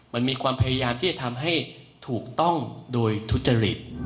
มันมีความพยายามที่จะทำให้ถูกต้องโดยทุจริต